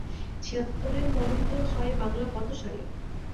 ছিয়াত্তরের মন্বন্তর হয় বাংলা কত সালে?